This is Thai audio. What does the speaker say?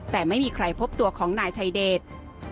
แต่ไม่มีใครพบตัวของนายชายเดช